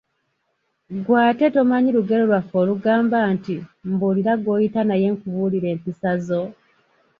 Ggwe ate tomanyi lugero lwaffe olugamba nti , "Mbuulira gw'oyita naye nkubuulire empisa zo?